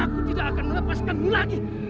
aku tidak akan melepaskanmu lagi